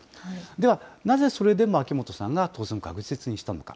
では、なぜそれでも秋元さんが当選を確実にしたのか。